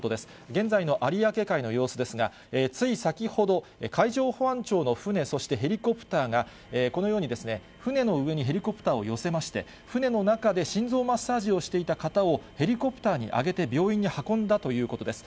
現在の有明海の様子ですが、つい先ほど、海上保安庁の船、そしてヘリコプターが、このように船の上にヘリコプターを寄せまして、船の中で心臓マッサージをしていた方をヘリコプターに上げて、病院に運んだということです。